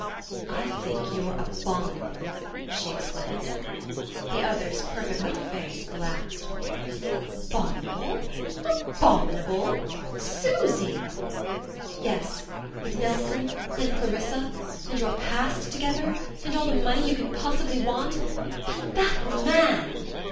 "I think you're abominable," she exclaimed. The other's perfect little face collapsed. "A bo minable? A bo mi nable? Susy!" "Yes... with Nelson... and Clarissa... and your past together... and all the money you can possibly want... and that man!